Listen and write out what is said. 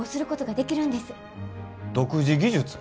独自技術？